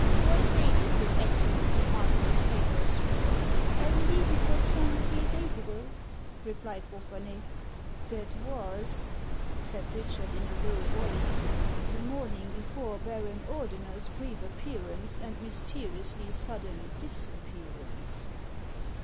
What day did his Excellency mark these papers ?"" I believe it was some three days ago," replied Wapherney. " That was," said Richard in a low voice, " the morning 1 It is> "ranted. HANS OF ICELAND. 185 before Baron Ordener's brief appearance and mysteriously sudden disappearance."